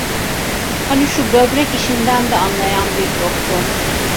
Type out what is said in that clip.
Hani şu böbrek işinden de anlayan bir doktor…